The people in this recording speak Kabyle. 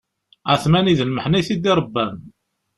Ԑetmani d lmeḥna i t-id-iṛebban.